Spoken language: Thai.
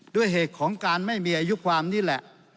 ด้วยเหตุของการไม่มีอายุความนี่แหละ